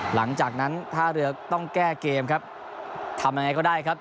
หลังจากนั้นท่าเรือต้องแก้เกมครับทำยังไงก็ได้ครับ